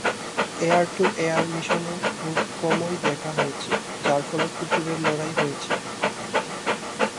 Air-to-air মিশনে, খুব কমই দেখা হয়েছে যার ফলে কুকুরের লড়াই হয়েছে।